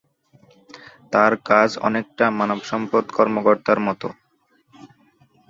তার কাজ অনেকটা মানব সম্পদ কর্মকর্তার মতো।